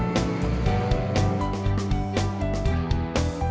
coba aku juga telfon raya